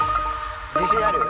自信ある？